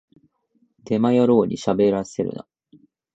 デマ野郎にしゃべらせるな